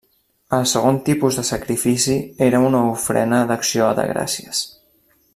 El segon tipus de sacrifici era una ofrena d'acció de gràcies.